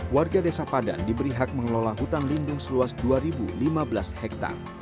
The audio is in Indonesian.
warga desa padan diberi hak mengelola hutan lindung seluas dua lima belas hektare